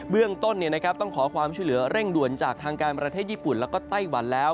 เรื่องต้นต้องขอความช่วยเหลือเร่งด่วนจากทางการประเทศญี่ปุ่นแล้วก็ไต้หวันแล้ว